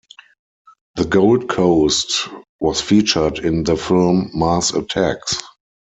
The Gold Coast was featured in the film Mars Attacks.